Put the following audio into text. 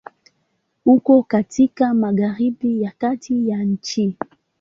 Uko katika Magharibi ya kati ya nchi.